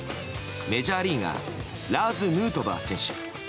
メジャーリーガーラーズ・ヌートバー選手。